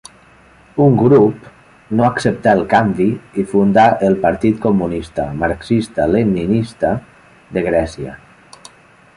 Un grup no acceptà el canvi i fundà el Partit Comunista Marxista-Leninista de Grècia.